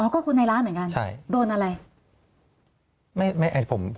ก็คนในร้านเหมือนกันโดนอะไร